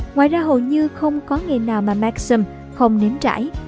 ngoài ra hầu như không có ngày nào mà maxim không nếm trải